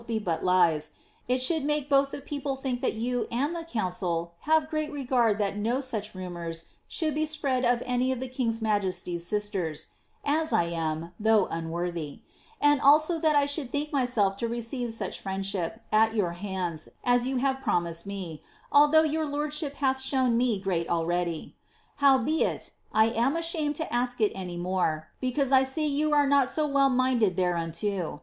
• but lie«, it should make both the people think that you and the council have threat regard that no such rumours should be spread of any of tlie king's migesty't sisters (as I am, though unworthy), and also that I should think my<>elf to receive such friendship at your hands as you have promised me, although your lordship hath showed me great already. Howbeit, I am ashamed to ask it any more, because I see you are not so well minded thereunto.